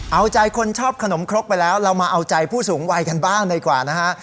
เอาใจคนชอบขนมครกไปแล้วเรามาเอาใจผู้สูงวัยกันบ้างดีกว่านะฮะ